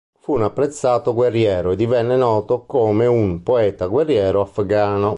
Fu un apprezzato guerriero e divenne noto come un "poeta guerriero afghano".